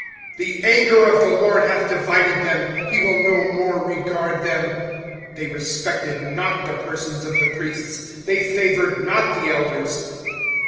25:004:016 The anger of the LORD hath divided them; he will no more regard them: they respected not the persons of the priests, they favoured not the elders.